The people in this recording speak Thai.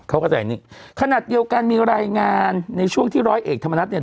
เขาเข้าใจอย่างนี้ขนาดเดียวกันมีรายงานในช่วงที่ร้อยเอกธรรมนัฐเนี่ย